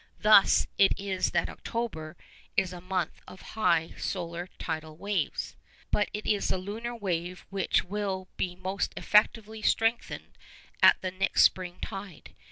Thus it is that October is a month of high solar tidal waves. But it is the lunar wave which will be most effectively strengthened at the next spring tide.